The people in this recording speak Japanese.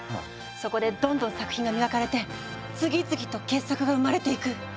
そこでどんどん作品が磨かれて次々と傑作が生まれていく。